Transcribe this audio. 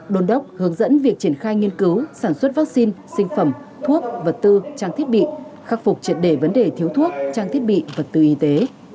đồn đốc hướng dẫn việc triển khai nghiên cứu sản xuất vaccine sinh phẩm thuốc vật tư trang thiết bị khắc phục triệt đề vấn đề thiếu thuốc trang thiết bị vật tư y tế